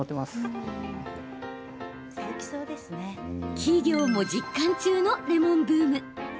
企業も実感中のレモンブーム。